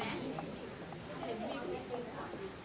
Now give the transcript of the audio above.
พวกเขาถ่ายมันตรงกลาง